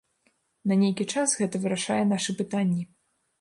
На нейкі час гэта вырашае нашы пытанні.